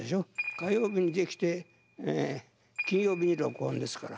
火曜日にできて金曜日に録音ですから。